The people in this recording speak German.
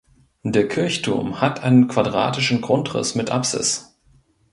Der Kirchturm hat einen quadratischen Grundriss mit Apsis.